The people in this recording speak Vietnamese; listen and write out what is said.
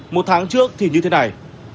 một tháng trước thì như thế này